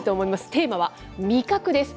テーマは味覚です。